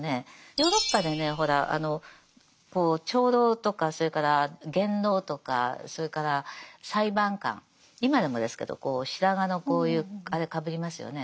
ヨーロッパでねほらあの長老とかそれから元老とかそれから裁判官今でもですけどこう白髪のこういうあれかぶりますよね。